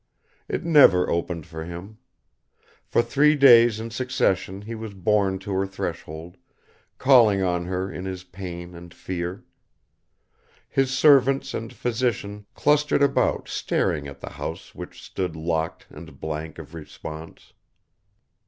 It never opened for him. For three days in succession he was borne to her threshold, calling on her in his pain and fear. His servants and physician clustered about staring at the house which stood locked and blank of response.